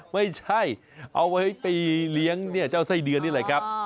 ไม่ใช่เอาไว้ไปเลี้ยงเจ้าไส้เดือนนี่แหละครับ